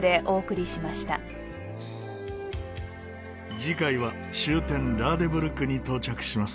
次回は終点ラーデブルクに到着します。